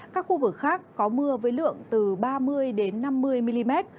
các khu vực khác có mưa với lượng từ ba mươi năm mươi mm